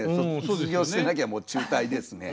卒業してなきゃもう中退ですね。